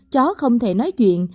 chó không thể nói chuyện